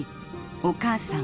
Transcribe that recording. お母さん